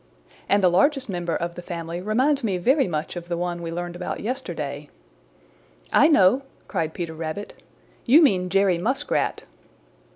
"And the largest member of the family reminds me very much of the one we learned about yesterday." "I know!" cried Peter Rabbit. "You mean Jerry Muskrat."